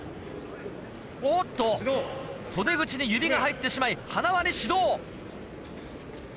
おっと袖口に指が入ってしまい塙に指導。